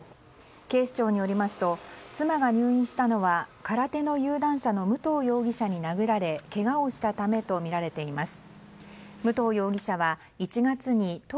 警視庁によりますと妻が入院したのは空手の有段者の武藤容疑者に殴られけがをしたためとみられています。